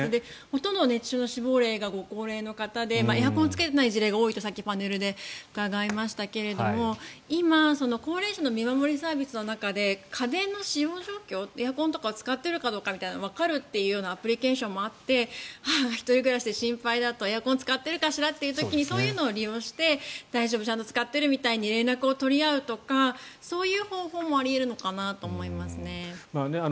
ほとんどの熱中症の死亡例がご高齢の方でエアコンをつけていない事例が多いとさっきパネルで伺いましたが今、高齢者の見守りサービスの中で家電の使用状況、エアコンとか使ってるかっていうのがわかるっていうアプリケーションもあって母が一人暮らしで心配だとエアコンを使っているかしらってそういうのを利用して大丈夫、ちゃんと使ってるって連絡を取り合うとかそういう方法もあり得るのかなと思いますね。